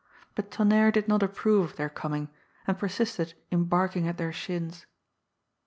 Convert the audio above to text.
But Tonnerre did not approve of their coming, and persisted in barking at their shins.